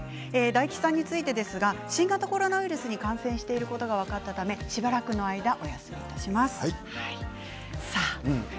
大吉さんについてですが新型コロナウイルスに感染していることが分かったためしばらくの間、お休みいたします。